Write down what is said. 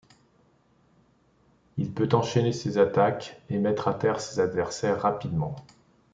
Il peut enchaîner ses attaques et mettre à terre ses adversaires rapidement.